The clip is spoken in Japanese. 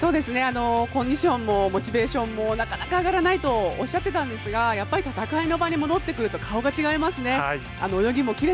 コンディションもモチベーションもなかなか上がらないとおっしゃってたんですがやっぱり戦いの場に戻ってくると顔が違いますね。